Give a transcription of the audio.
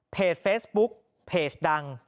เพจเฟสบุ๊คเพจดัง